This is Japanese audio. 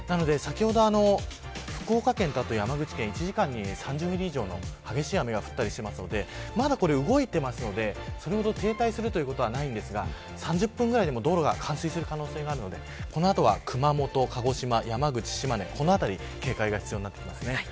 先ほど、福岡県と山口県１時間に３０ミリ以上の激しい雨が降ったりしていますのでまだ、これ動いていますのでそれほど停滞するということはないんですが３０分くらいでも道路が冠水する可能性があるのでこの後は、熊本、鹿児島、山口島根の辺りは警戒が必要です。